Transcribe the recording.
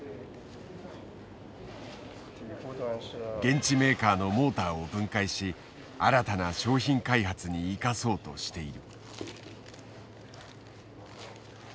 現地メーカーのモーターを分解し新たな商品開発に生かそうとしている。